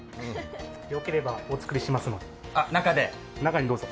よければお作りしますので、中でどうぞ。